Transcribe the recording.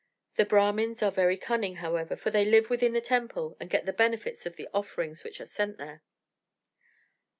The Brahmins are very cunning, however, for they live within the temple and get the benefits of the offerings which are sent there.